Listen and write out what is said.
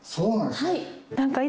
はい！